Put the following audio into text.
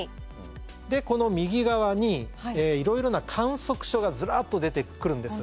でこの右側にいろいろな観測所がズラッと出てくるんです。